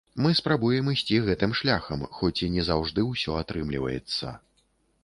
Мы спрабуем ісці гэтым шляхам, хоць і не заўжды ўсё атрымліваецца.